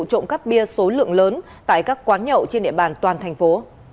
trộm cắp bia số lượng lớn tại các quán nhậu trên địa bàn toàn thành phố